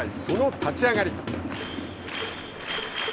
その立ち上がり。